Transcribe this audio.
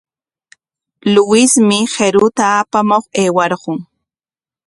Luismi qiruta apamuq aywarqun.